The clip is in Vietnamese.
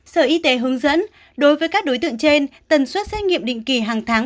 sở y tế hướng dẫn đối với các đối tượng trên tần suất xét nghiệm định kỳ hàng tháng